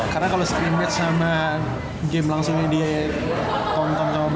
karena kalau scrimmage sama game langsungnya dia tonton sama banyak orang